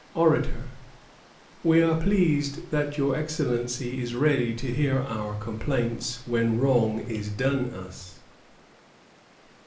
ORATOR. We are pleased that your Excellency is ready to hear our complaints when wrong is done us.